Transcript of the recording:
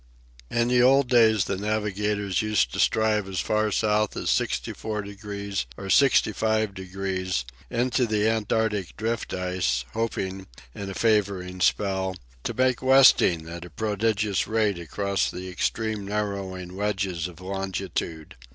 In the old days the navigators used to strive as far south as 64 degrees or 65 degrees, into the Antarctic drift ice, hoping, in a favouring spell, to make westing at a prodigious rate across the extreme narrowing wedges of longitude.